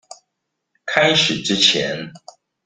開始之前